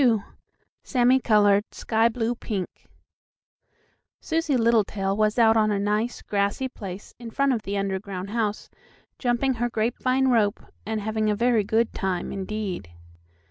XXII SAMMIE COLORED SKY BLUE PINK Susie Littletail was out on a nice, grassy place in front of the underground house, jumping her grapevine rope, and having a very good time, indeed.